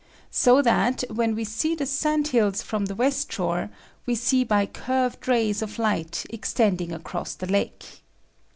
So that when we see the sand hills from the west shore we see by curved rays of light extending across the lake.